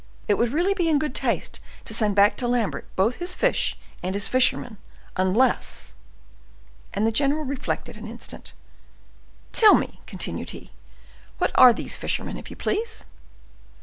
It would really be in good taste to send back to Lambert both his fish and his fishermen, unless—" and the general reflected an instant. "Tell me," continued he, "what are these fishermen, if you please?"